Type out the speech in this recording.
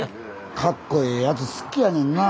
かっこええやつ好きやねんなあ。